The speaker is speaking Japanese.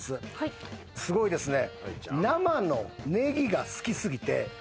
すごいですね。